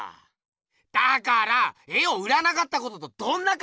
だから絵を売らなかったこととどんなかんけいがあんの？